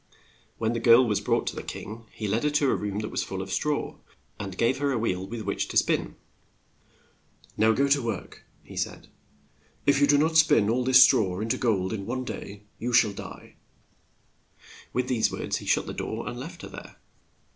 When the girl was brought to the king, he led her to a room that was full of straw, and gave her a wheel with which to spin. "Now go to work," he said. "If you do not spin all this straw in to gold in one day, you shall die." With these words he shut the door and left her there.